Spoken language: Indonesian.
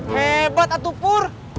hebat atuh pur